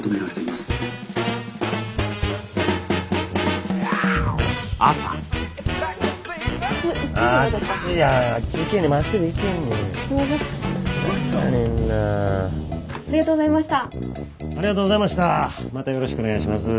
またよろしくお願いします。